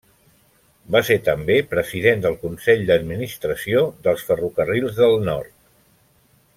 Va ser també President del Consell d'Administració dels Ferrocarrils del Nord.